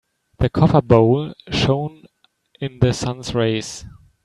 The copper bowl shone in the sun's rays.